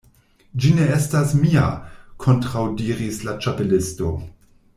"Ĝi ne estas mia," kontraŭdiris la Ĉapelisto.